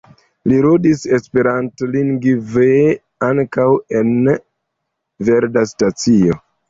Li ludis esperantlingve ankaŭ en Verda Stacio.